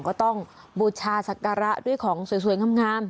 ก็ต้องบูชาศักระด้วยของสวยงาม